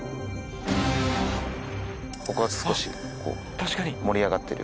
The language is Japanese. ここ少し盛り上がってるような。